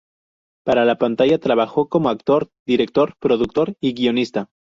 Para la pantalla trabajó como actor, director, productor y guionista.